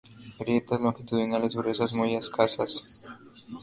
Grietas longitudinales gruesas muy escasas.